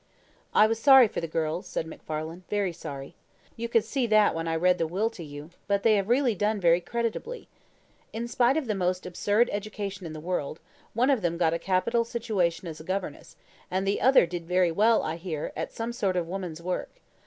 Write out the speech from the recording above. "I was sorry for the girls," said MacFarlane, "very sorry. You could see that when I read the will to you; but they have really done very creditably. In spite of the most absurd education in the world, one of them got a capital situation as a governess; and the other did very well indeed, I hear, at some sort of woman's work.